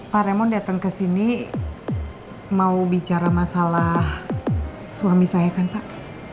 pak remon datang ke sini mau bicara masalah suami saya kan pak